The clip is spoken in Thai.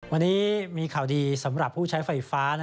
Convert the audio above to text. วันนี้มีข่าวดีสำหรับผู้ใช้ไฟฟ้า